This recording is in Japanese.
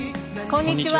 こんにちは。